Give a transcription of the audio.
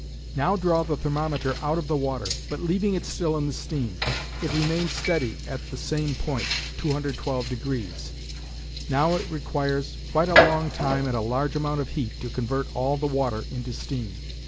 Now draw the thermometer out of the water, but leaving it still in the steam. It remains steady at the same point 212°. Now it requires quite a long time and a large amount of heat to convert all the water into steam.